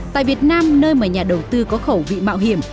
tại việt nam nơi mà nhà đầu tư có khẩu vị mạo hiểm